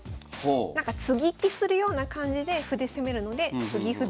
なんか接ぎ木するような感じで歩で攻めるので継ぎ歩